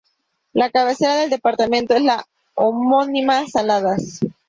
La cabecera del departamento es la homónima Saladas.